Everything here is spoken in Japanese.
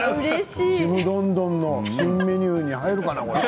ちむどんどんの新メニューに入るかな？